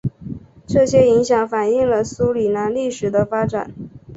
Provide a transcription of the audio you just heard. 这些影响反映了苏里南历史的发展。